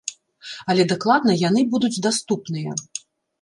Але дакладна яны будуць даступныя.